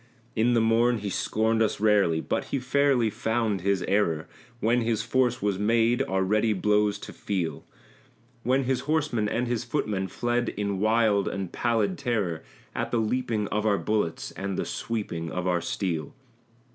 In the morn he scorned us rarely, but he fairly found his error, When his force was made our ready blows to feel; When his horsemen and his footmen fled in wild and pallid terror At the leaping of our bullets and the sweeping of our steel.